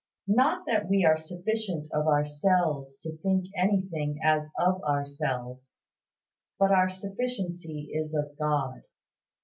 "Not that we are sufficient of ourselves to think anything as of ourselves; but our sufficiency is of God."